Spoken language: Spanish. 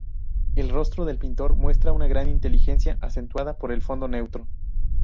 El rostro del pintor muestra una gran inteligencia, acentuada por el fondo neutro.